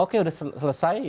oke sudah selesai